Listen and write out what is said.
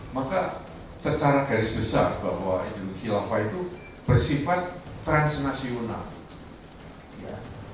maka secara garis besar bahwa hidup khilafah itu bersifat transnasional